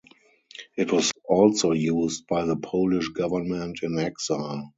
It was also used by the Polish Government in Exile.